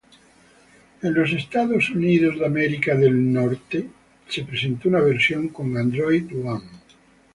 En Estados Unidos, se presentó una versión con Android One.